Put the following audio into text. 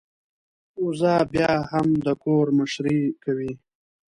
وزه بيا هم د کور مشرۍ کوي.